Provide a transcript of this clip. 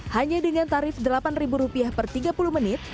hanya dengan tarif rp delapan per tiga puluh menit